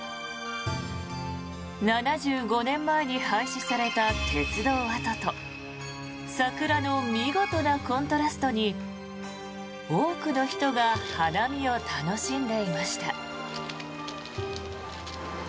７５年前に廃止された鉄道跡と桜の見事なコントラストにたくさんの人が花見を楽しみました。